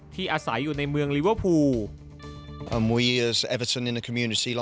อาศัยอยู่ในเมืองลิเวอร์พูล